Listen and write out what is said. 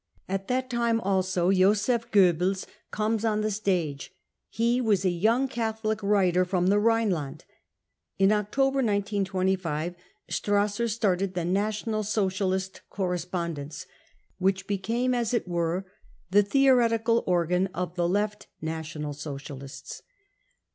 At that time also Josef Goebbels comes * on the stage ; he was a young Catholic writer from the Rhineland. In October 1925 Strasser started the National Socialist Correspondence , which became as it were the " theoretical " organ of the " left 99 National Socialists.